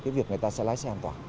cái việc người ta sẽ lái xe an toàn